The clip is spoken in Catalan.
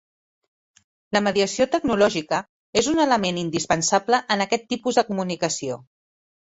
La mediació tecnològica és un element indispensable en aquest tipus de comunicació.